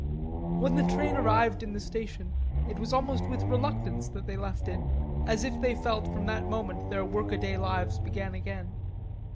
When the train arrived in the station, it was almost with reluctance that they left it, as if they felt that from that moment their work a day lives began again.